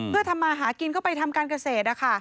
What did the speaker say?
เพื่อทำมาหากินเข้าไปทำการเกษตร